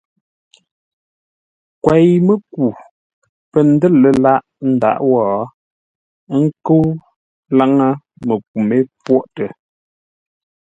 Kwěi-mə́ku pə̂ ndə̂r lə̂ lâʼ ndǎʼ wó, ə́ nkə́u láŋə́, məku mé pwôʼtə.